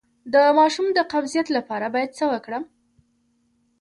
د ماشوم د قبضیت لپاره باید څه وکړم؟